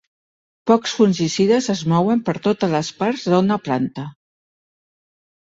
Pocs fungicides es mouen per totes les parts d'una planta.